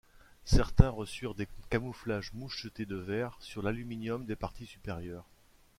Certains reçurent des camouflages mouchetés de vert sur l'aluminium des parties supérieures.